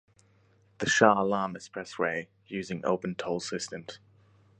The Shah Alam Expressway using opened toll systems.